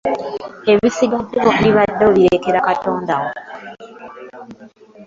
Ebisigadde wandibadde obirekera Katonda wo.